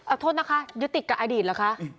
เอาโทษนะคะยึดติดกับอดีตเหรอคะ